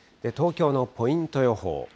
東京のポイント予報。